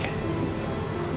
dari pada kebohongan